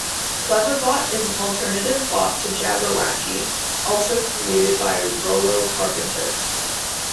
Cleverbot is an alternative bot to Jabberwacky, also created by Rollo Carpenter.